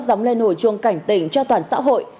gióng lên hồi chuông cảnh tình cho toàn xã hội